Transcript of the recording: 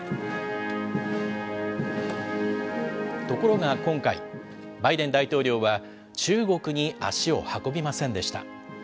ところが今回、バイデン大統領は中国に足を運びませんでした。